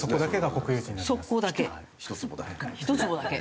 １坪だけ？